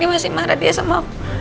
ini masih marah dia sama